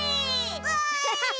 わい！